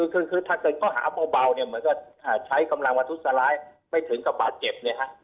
คือถ้าเรียกข้อหาเบาถ้าใช้กำลังมันทุกข์สาร้ายภาษาไม่ถึงเจ็บ